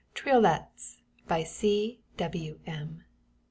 TRIOLETS BY C.W.M.